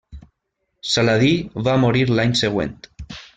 Saladí va morir l'any següent.